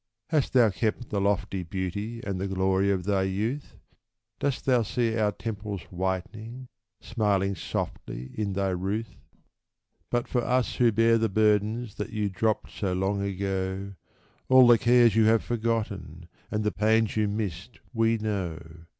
Hast thou kept the lofty beauty and the glory of thy youth ? Dost thou see our temples whitening, smiling softly in thy ruth? UNSOLVED 225 But for us who bear the burdens that you dropped so long ago, All the cares you have forgotten, and the pains you missed, we know.